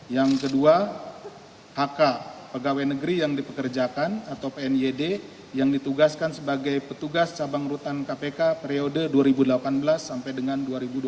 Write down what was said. yang kedua kk pegawai negeri yang dipekerjakan atau pnyd yang ditugaskan sebagai petugas cabang rutan kpk periode dua ribu delapan belas sampai dengan dua ribu dua puluh